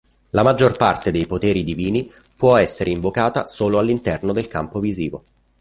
La maggior parte dei poteri divini può essere invocata solo all'interno del campo visivo.